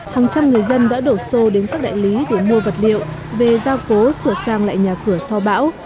hàng trăm người dân đã đổ xô đến các đại lý để mua vật liệu về giao cố sửa sang lại nhà cửa sau bão